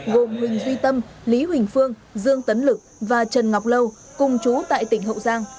gồm huỳnh duy tâm lý huỳnh phương dương tấn lực và trần ngọc lâu cùng chú tại tỉnh hậu giang